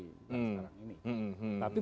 sekarang ini tapi